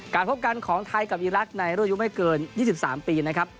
พบกันของไทยกับอีรักษ์ในรุ่นอายุไม่เกิน๒๓ปีนะครับ